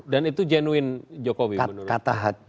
dan itu jenuin jokowi menurut